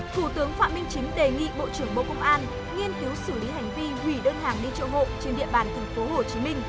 thủ tướng phạm minh chính đề nghị bộ trưởng bộ công an nghiên cứu xử lý hành vi hủy đơn hàng đi chợ hộ trên địa bàn tp hcm